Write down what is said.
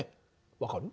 分かる？